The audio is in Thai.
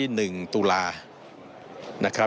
หนึ่งตุลา